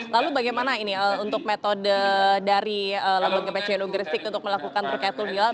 lalu bagaimana ini untuk metode dari lembaga pcu gresik untuk melakukan rukya tulnilal